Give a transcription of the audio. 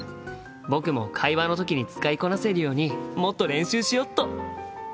僕も会話の時に使いこなせるようにもっと練習しようっと！